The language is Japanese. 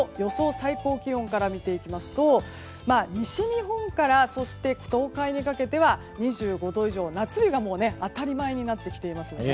最高気温から見ていきますと西日本からそして東海にかけて２５度以上の夏日が当たり前になってきてますよね。